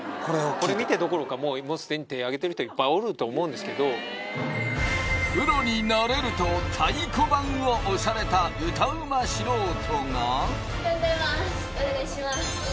これ見てどころかもう既に手挙げてる人いっぱいおると思うんですけどプロになれると太鼓判を押された歌うま素人がおはようございますお願いします